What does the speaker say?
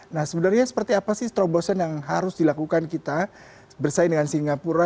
nah sebenarnya seperti apa sih terobosan yang harus dilakukan kita bersaing dengan singapura